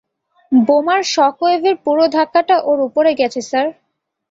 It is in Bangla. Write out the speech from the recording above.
বোমার শকওয়েভের পুরো ধাক্কাটা ওর উপরে গেছে, স্যার।